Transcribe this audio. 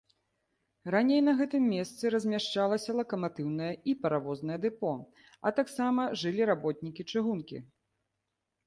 Раней на гэтым месцы размяшчалася лакаматыўнае і паравознае дэпо, а таксама жылі работнікі чыгункі.